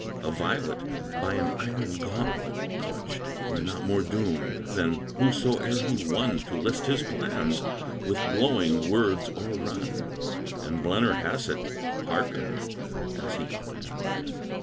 A violet, by an iron gauntlet clutched, Were not more doomed than whosoe'er he won To list his plans, with glowing words o'errun: And Blennerhassett hearkened as he planned.